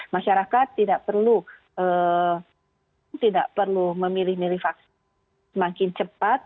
masyarakat tidak perlu memilih milih vaksin semakin cepat